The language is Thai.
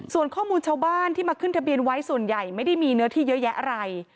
ส่วนข้อมูลชาวบ้านที่มาขึ้นทะเบียนไว้ส่วนใหญ่ไม่ได้มีเนื้อที่เยอะแยะอะไร